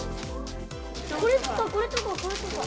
これとか、これとか、これとか。